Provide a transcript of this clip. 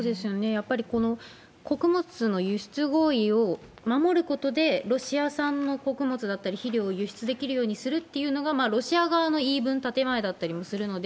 やっぱりこの穀物の輸出合意を守ることで、ロシア産の穀物だったり肥料を輸出できるようにするっていうのが、ロシア側の言い分、建前だったりもするので。